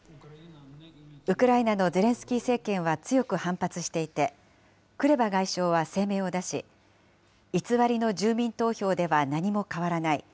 ウクライナのゼレンスキー政権は強く反発していて、クレバ外相は声明を出し、偽りの住民投票では何も変わらない。